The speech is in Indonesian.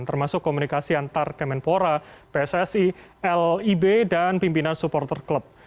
termasuk komunikasi antar kemenpora pssi lib dan pimpinan supporter klub